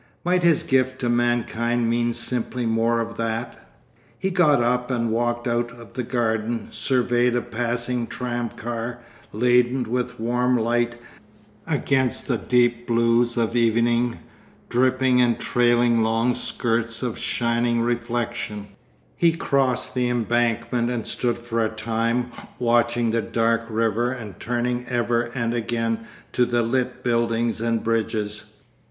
Might his gift to mankind mean simply more of that? ... He got up and walked out of the garden, surveyed a passing tram car, laden with warm light, against the deep blues of evening, dripping and trailing long skirts of shining reflection; he crossed the Embankment and stood for a time watching the dark river and turning ever and again to the lit buildings and bridges.